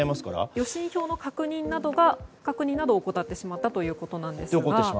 予診票の確認などを怠ってしまったということですが。